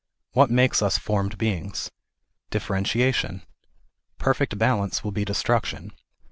What makes us formed beings ? Differen tiation. Perfect balance will be destruction.